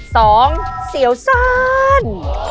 สองเสี่ยวซาน